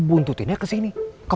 udah diam kamu